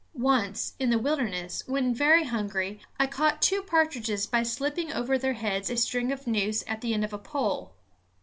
Once, in the wilderness, when very hungry, I caught two partridges by slipping over their heads a string noose at the end of a pole.